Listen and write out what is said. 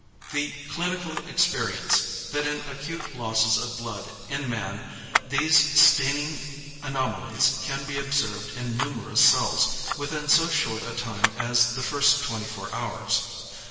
The clinical experience, that in acute losses of blood in man, these staining anomalies, can be observed in numerous cells, within so short a time as the first 24 hours.